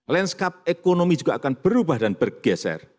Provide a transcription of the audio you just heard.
landscape ekonomi juga akan berubah dan bergeser